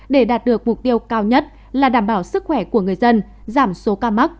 để đạt được mục tiêu cao nhất là đảm bảo sức khỏe của người dân giảm số ca mắc